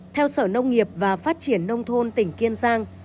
theo sở nông nghiệp và phát triển nông thôn tỉnh kiên giang